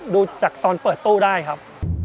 ดูจากตอนเปิดตู้ได้ครับ